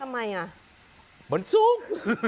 มันสูง